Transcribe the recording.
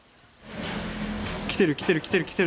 来てる来てる来てる来てる。